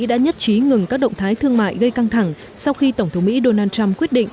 đã nhất trí ngừng các động thái thương mại gây căng thẳng sau khi tổng thống mỹ donald trump quyết định